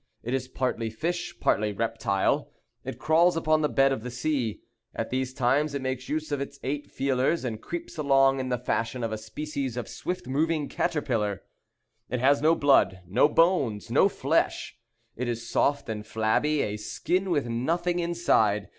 It is partly fish, partly reptile. It crawls upon the bed of the sea. At these times, it makes use of its eight feelers, and creeps along in the fashion of a species of swift moving caterpillar. It has no blood, no bones, no flesh. It is soft and flabby; a skin with nothing inside.